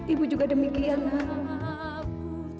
ibu juga demikian nak